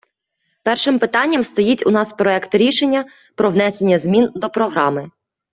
Першим питанням стоїть у нас проект рішення "Про внесення змін до Програми...